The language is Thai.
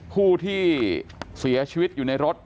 ผู้ที่เสียชีวิตอยู่ในรถ